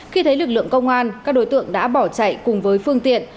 khi thấy lực lượng công an các đối tượng đã bỏ chạy cùng với phương tiện